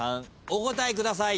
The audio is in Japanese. お答えください。